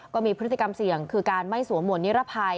ก็มีพฤติกรรมเสี่ยงคือการไม่สวมหวดนิรภัย